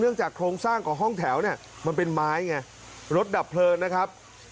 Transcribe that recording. จากโครงสร้างของห้องแถวเนี่ยมันเป็นไม้ไงรถดับเพลิงนะครับ